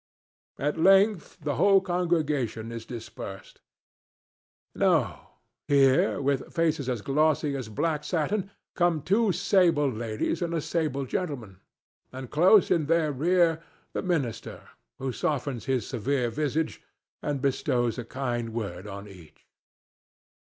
At length the whole congregation is dispersed. No; here, with faces as glossy as black satin, come two sable ladies and a sable gentleman, and close in their rear the minister, who softens his severe visage and bestows a kind word on each.